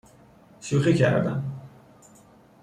شوخی کردم